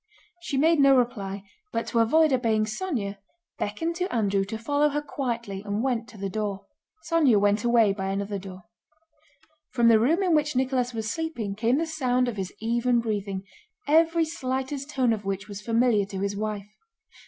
She made no reply, but to avoid obeying Sónya beckoned to Andrew to follow her quietly and went to the door. Sónya went away by another door. From the room in which Nicholas was sleeping came the sound of his even breathing, every slightest tone of which was familiar to his wife.